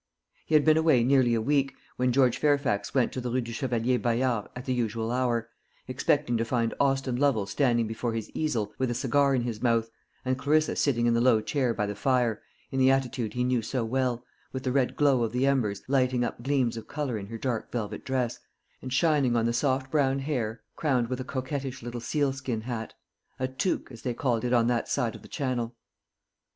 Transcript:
He had been away nearly a week, when George Fairfax went to the Rue du Chevalier Bayard at the usual hour, expecting to find Austin Lovel standing before his easel with a cigar in his mouth, and Clarissa sitting in the low chair by the fire, in the attitude he knew so well, with the red glow of the embers lighting up gleams of colour in her dark velvet dress, and shining on the soft brown hair crowned with a coquettish little seal skin hat a toque, as they called it on that side of the Channel.